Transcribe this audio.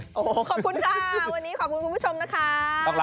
โอ้โหขอบคุณค่ะวันนี้ขอบคุณคุณผู้ชมนะคะ